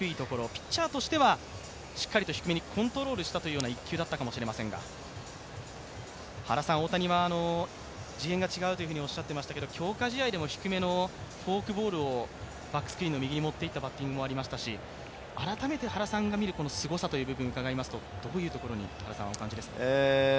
ピッチャーとしてはしっかりと低めにコントロールしたという一球だったかもしれませんが大谷は次元が違うとおっしゃっていましたが、強化試合でも低めのフォークボールをバックスクリーンの左に持っていったというところもありましたし、改めて原さんが見るすごさという部分を伺いますとどういうところに感じますか？